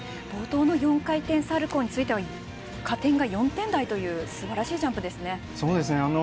冒頭の４回転サルコウについては加点が４点台という素晴らしいジャンプですね。